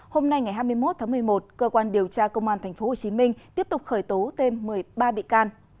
hôm nay ngày hai mươi một tháng một mươi một cơ quan điều tra công an tp hcm tiếp tục khởi tố thêm một mươi ba bị can